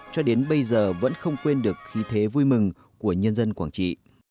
cho đến bây giờ vẫn không quên được khí thế vui mừng của nhân dân quảng trị